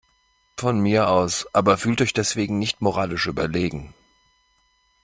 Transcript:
Von mir aus, aber fühlt euch deswegen nicht moralisch überlegen.